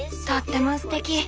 とってもすてき。